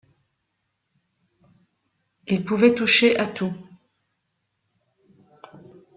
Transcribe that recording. Il pouvait toucher à tout.